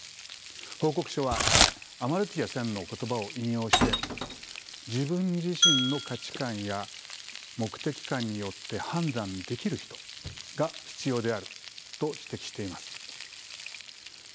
報告書はアマルティア・センの言葉を引用して自分自身の価値観や目的観によって判断できる人が必要であると指摘しています。